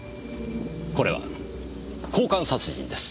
これは交換殺人です。